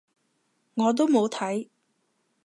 我都冇睇